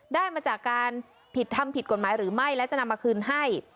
ได้มาจากการผิดทำผิดกฎหมายหรือไม่และจะนำมาคืนให้